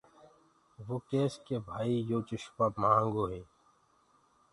وو ڪيس ڪي ڀآئي يو چمو مهآنگو هي۔